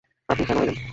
আপনি কেন এলেন?